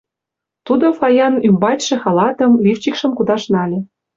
Тудо Фаян ӱмбачше халатым, лифчикшым кудаш нале.